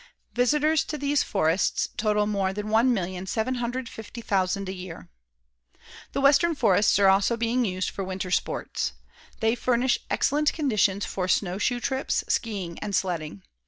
Visitors to these forests total more than 1,750,000 a year. The western forests are also being used for winter sports. They furnish excellent conditions for snow shoe trips, skiing and sledding.